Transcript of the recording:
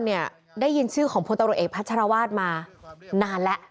ชื่อว่าทุกคนได้ยินชื่อของพัวตะโรเอกพัชฌาวาสมานานและ